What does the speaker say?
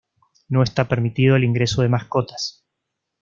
No está permitido el ingreso de mascotas.